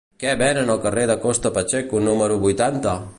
Què venen al carrer de Costa Pacheco número vuitanta?